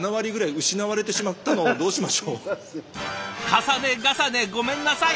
重ね重ねごめんなさい！